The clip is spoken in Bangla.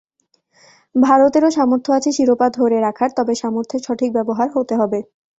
ভারতেরও সামর্থ্য আছে শিরোপা ধরে রাখার, তবে সামর্থ্যের সঠিক ব্যবহার হতে হবে।